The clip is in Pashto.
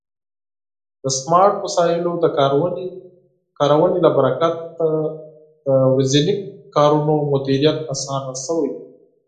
د سمارټ وسایلو د کارونې له برکت د ورځني کارونو مدیریت آسانه شوی دی.